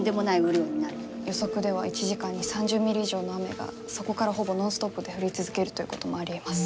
予測では１時間に３０ミリ以上の雨がそこからほぼノンストップで降り続けるということもありえます。